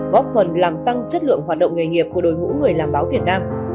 góp phần làm tăng chất lượng hoạt động nghề nghiệp của đội ngũ người làm báo việt nam